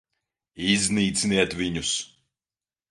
Iznīciniet viņus!